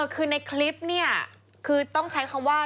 คือในคลิปเนี่ยคือต้องใช้คำว่า